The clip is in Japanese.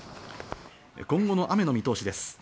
今後の雨の見通しです。